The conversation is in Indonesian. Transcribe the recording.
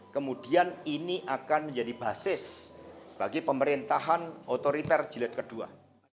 kemudian ini akan menjadi basis bagi pemerintahan otoriter jilid ii